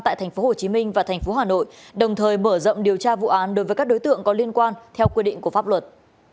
tại tp hcm và tp hcm đồng thời mở rộng điều tra vụ án đối với các đối tượng có liên quan theo quyết định của pháp luật